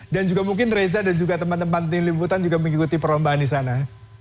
dan juga mungkin reza dan juga teman teman di limbutan juga mengikuti perlombaan di sana